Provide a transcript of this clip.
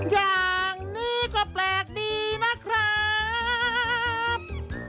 อย่างนี้ก็แปลกดีนะครับ